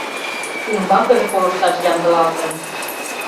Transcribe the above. Умбакыже колышташ ямдылалтым.